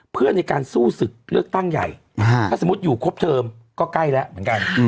เพื่อในการสู้ศึกเลือกตั้งใหญ่ถ้าสมมุติอยู่ครบเทอมก็ใกล้แล้วเหมือนกัน